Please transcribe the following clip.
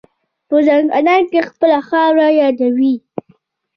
په ځانکدن خپله خاوره یادوي.